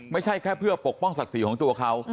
ไม่ใช่แค่เพื่อปกป้องศักดิ์ศรีของตัวเขา